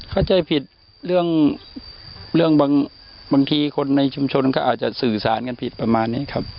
เข้าใจผิดเรื่องบางทีคนในชุมชนก็อาจจะสื่อสารกันผิดประมาณนี้ครับ